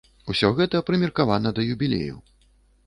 Усё гэта прымеркавана да юбілею.